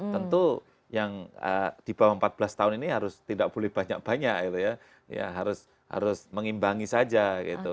tentu yang di bawah empat belas tahun ini harus tidak boleh banyak banyak gitu ya harus mengimbangi saja gitu